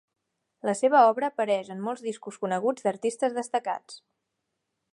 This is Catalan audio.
La seva obra apareix en molts discos coneguts d'artistes destacats.